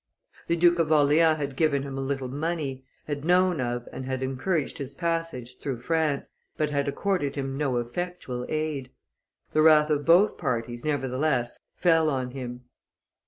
The Duke of Orleans had given him a little money, had known of and had encouraged his passage through France, but had accorded him no effectual aid; the wrath of both parties, nevertheless, fell on him.